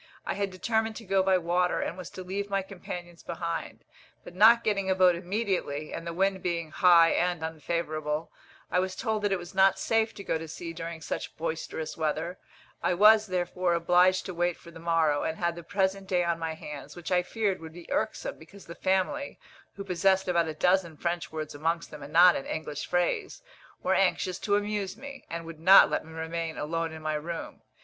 I had determined to go by water, and was to leave my companions behind; but not getting a boat immediately, and the wind being high and unfavourable, I was told that it was not safe to go to sea during such boisterous weather; I was, therefore, obliged to wait for the morrow, and had the present day on my hands, which I feared would be irksome, because the family, who possessed about a dozen French words amongst them and not an English phrase, were anxious to amuse me, and would not let me remain alone in my room.